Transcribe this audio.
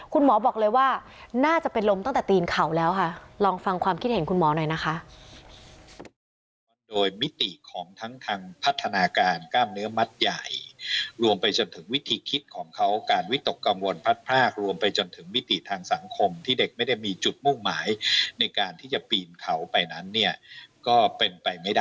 คุณหมอบอกเลยว่าน่าจะเป็นลมตั้งแต่ตีนเขาแล้วค่ะลองฟังความคิดเห็นคุณหมอหน่อยนะคะ